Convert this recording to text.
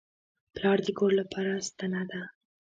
پلار د کور لپاره ستنه ده.